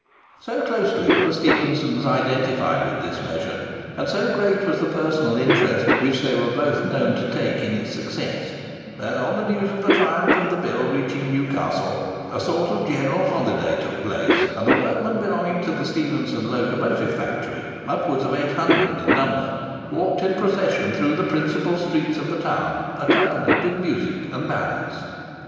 So closely were the Stephensons identified with this measure, and so great was the personal interest which they were both known to take in its success, that, on the news of the triumph of the bill reaching Newcastle, a sort of general holiday took place, and the workmen belonging to the Stephenson Locomotive Factory, upwards of 800 in number, walked in procession through the principal streets of the town, accompanied with music and banners.